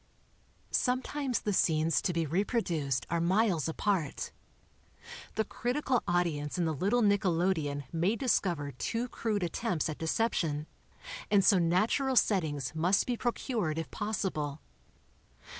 Sometimes the scenes to be reproduced are miles apart. The critical audience in the little nickelodeon may discover too crude attempts at deception, and so natural settings must be procured if possible.